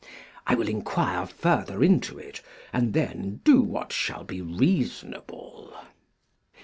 I will inquire further into it, and then do what shall be reasonable.